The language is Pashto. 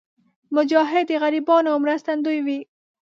مجاهد د غریبانو مرستندوی وي.